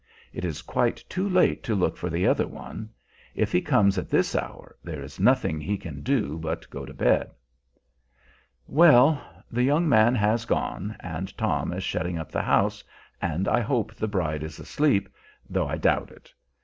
It is quite too late to look for the other one. If he comes at this hour, there is nothing he can do but go to bed. ... Well, the young man has gone, and Tom is shutting up the house, and I hope the bride is asleep, though I doubt it.